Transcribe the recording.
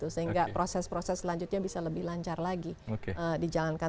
sehingga proses proses selanjutnya bisa lebih lancar lagi dijalankan